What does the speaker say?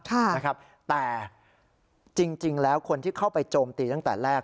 แต่จริงแล้วคนที่เข้าไปโจมตีตั้งแต่แรก